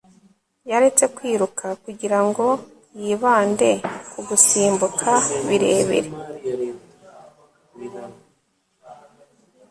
yaretse kwiruka kugirango yibande ku gusimbuka birebire